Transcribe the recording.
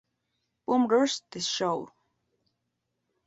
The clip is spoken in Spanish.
Bum Rush The Show"".